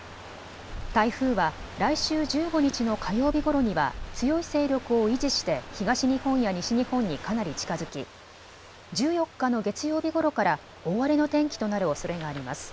台風は来週１５日の火曜日ごろには強い勢力を維持して東日本や西日本にかなり近づき１４日の月曜日ごろから大荒れの天気となるおそれがあります。